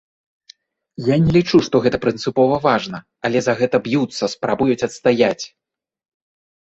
Я не лічу, што гэта прынцыпова важна, але за гэта б'юцца, спрабуюць адстаяць.